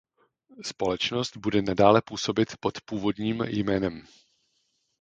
Společnost bude nadále působit pod původním jménem.